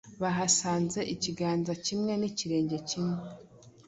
bahasanze ikiganza kimwe n’ikirenge kimwe